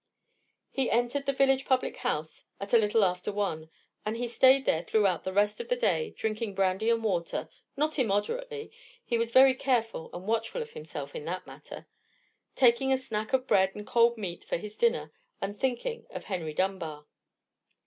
He entered the village public house at a little after one, and he stayed there throughout the rest of the day, drinking brandy and water—not immoderately: he was very careful and watchful of himself in that matter—taking a snack of bread and cold meat for his dinner, and thinking of Henry Dunbar.